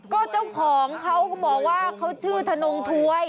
ก็เจ้าของเขาก็บอกว่าเขาชื่อธนงถวย